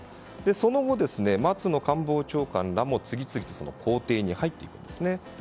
その後、松野官房長官らも次々公邸に入っていくんですね。